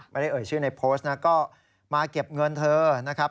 เอ่ยชื่อในโพสต์นะก็มาเก็บเงินเธอนะครับ